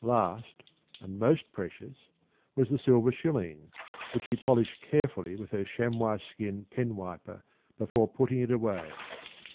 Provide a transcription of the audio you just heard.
Last and most precious was the silver shilling, which she polished carefully with her chamois skin pen wiper before putting away.